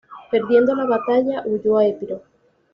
Perdiendo la batalla, huyó a Epiro.